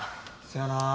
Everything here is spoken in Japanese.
そやなぁ。